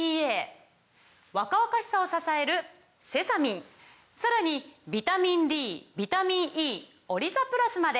若々しさを支えるセサミンさらにビタミンＤビタミンＥオリザプラスまで！